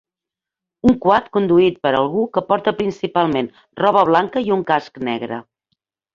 Un quad conduït per algú que porta principalment roba blanca i un casc negre.